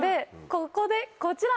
ここでこちら！